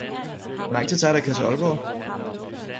Hvor lang tid tager det at køre til Aalborg